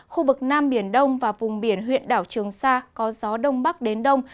khu vực nam biển đông và vùng biển huyện đảo trường sa có gió đông bắc đến đông